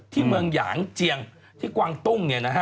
ที่เมืองหยางเจียงที่กวางตุ้ง